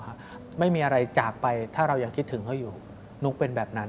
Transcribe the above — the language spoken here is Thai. ว่าไม่มีอะไรจากไปถ้าเรายังคิดถึงเขาอยู่นุ๊กเป็นแบบนั้น